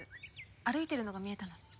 歩いているのが見えたので。